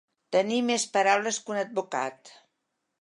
Tenir més paraules que un advocat.